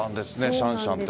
シャンシャンって。